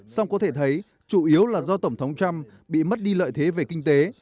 song có thể thấy chủ yếu là do tổng thống trump bị mất đi lợi thế về kinh tế